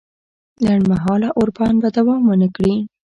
لنډ مهاله اوربند به دوام ونه کړي